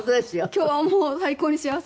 今日はもう最高に幸せです。